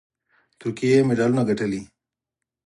ترکیې مډالونه ګټلي